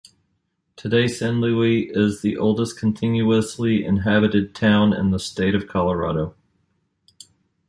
Today, San Luis is the oldest continuously inhabited town in the state of Colorado.